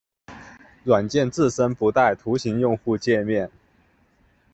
软件自身不带图形用户界面。